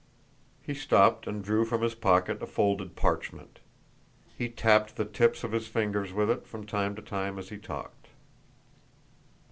He stopped and drew from his pocket a folded parchment. He tapped the tips of his fingers with it from time to time as he talked.